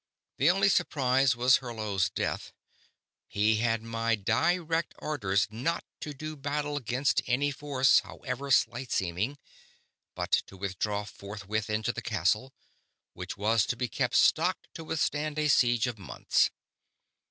The only surprise was Hurlo's death ... he had my direct orders not to do battle 'gainst any force, however slight seeming, but to withdraw forthwith into the castle, which was to be kept stocked to withstand a siege of months